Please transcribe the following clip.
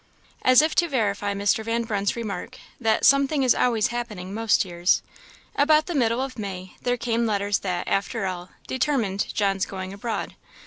As if to verify Mr. Van Brunt's remark, that "something is always happening most years," about the middle of May there came letters that, after all, determined John's going abroad.